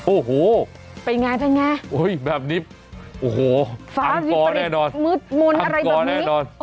โอ้โฮแบบนี้โอ้โฮฟ้าวิปริตมืดมนต์อะไรแบบนี้อังกอแน่นอน